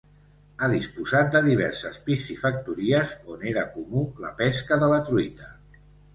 Ha disposat de diverses piscifactories on era comú la pesca de la truita.